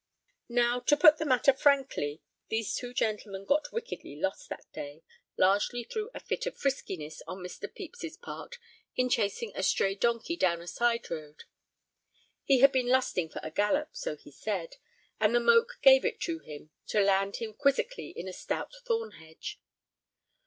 Now, to put the matter frankly, these two gentlemen got wickedly lost that day, largely through a fit of friskiness on Mr. Pepys's part in chasing a stray donkey down a side road. He had been lusting for a gallop, so he said, and the moke gave it him, to land him quizzically in a stout thorn hedge.